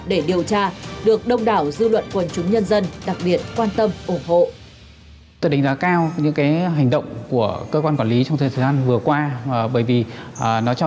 để điều tra được đông đảo dư luận quần chúng nhân dân đặc biệt quan tâm ủng hộ